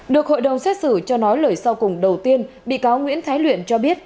được hội đồng xét xử cho nói lời sau cùng đầu tiên bị cáo nguyễn thái luyện cho biết